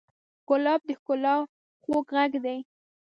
ګلاب د ښکلا خوږ غږ دی.